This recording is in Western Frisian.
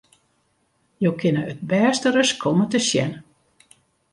Jo kinne it bêste ris komme te sjen!